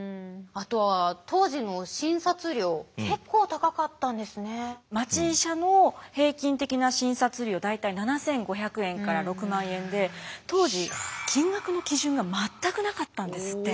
あとは当時の町医者の平均的な診察料大体７，５００円から６万円で当時金額の基準が全くなかったんですって。